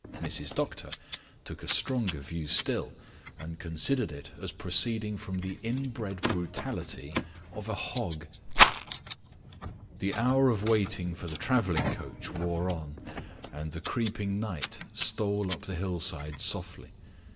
Mrs. Doctor took a stronger view still, and considered it as proceeding from the inbred brutality of a hog. The hour of waiting for the traveling carriage wore on, and the creeping night stole up the hillsides softly.